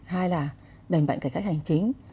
hai là đảnh bệnh cải cách hành chính